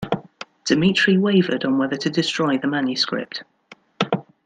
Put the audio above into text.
Dmitri wavered on whether to destroy the manuscript.